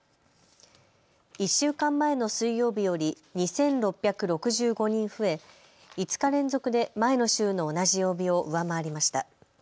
１週間前の水曜日より２６６５人増え、５日連続で前の週の同じ曜日を上回りました。